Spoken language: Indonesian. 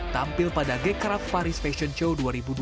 tampil pada gecraf paris fashion show dua ribu dua puluh